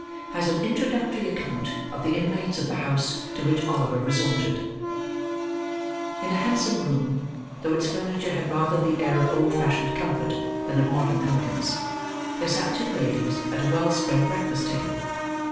HAS AN INTRODUCTORY ACCOUNT OF THE INMATES OF THE HOUSE, TO WHICH OLIVER RESORTED In a handsome room: though its furniture had rather the air of old fashioned comfort, than of modern elegance: there sat two ladies at a well spread breakfast table.